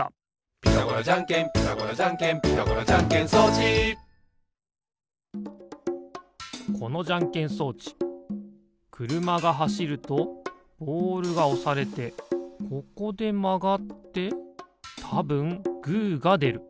「ピタゴラじゃんけんピタゴラじゃんけん」「ピタゴラじゃんけん装置」このじゃんけん装置くるまがはしるとボールがおされてここでまがってたぶんグーがでる。